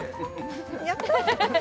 やったー！